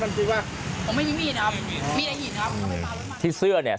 แล้วตอนแรกผมว่าจะวนกลับ